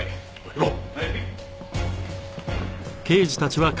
行こう。